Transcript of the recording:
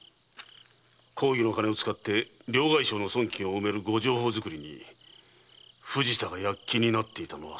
公儀の金を使って両替商の損金を埋めるご定法づくりに藤田が躍起になっていたのはそのためだったか。